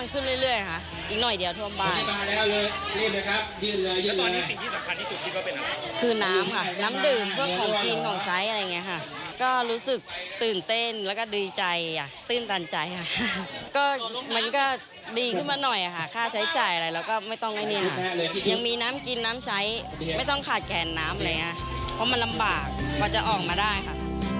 เพราะมันลำบากก็จะออกมาได้ค่ะ